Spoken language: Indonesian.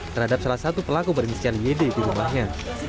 terhadap salah satu pelaku berinisial yd di rumahnya